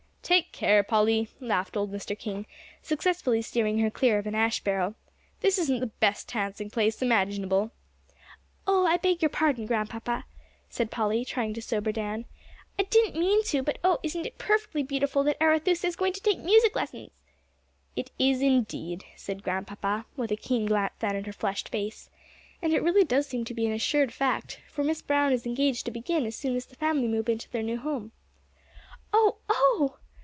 "Take care, Polly," laughed old Mr. King, successfully steering her clear of an ash barrel, "this isn't the best dancing place imaginable." "Oh, I beg your pardon, Grandpapa," said Polly, trying to sober down, "I didn't mean to; but oh, isn't it perfectly beautiful that Arethusa is going to take music lessons!" "It is, indeed," said Grandpapa, with a keen glance down at her flushed face. "And it really does seem to be an assured fact, for Miss Brown is engaged to begin as soon as the family move into their new home." "Oh oh!"